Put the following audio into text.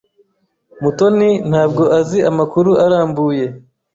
Mutoni ntabwo azi amakuru arambuye.